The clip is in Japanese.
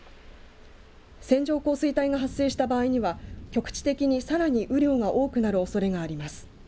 線状降水帯が発生した場合には局地的に、さらに雨量が多くなるおそれがあります。